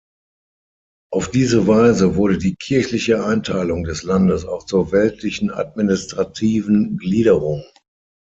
Auf diese Weise wurde die kirchliche Einteilung des Landes auch zur weltlichen administrativen Gliederung.